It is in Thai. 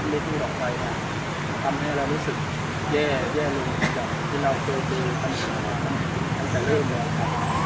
สดีฟันของป้านี่เขาคุยได้เป็นขณีกรรมปุยกับตัวแทนของแนะเชื้อนะครับ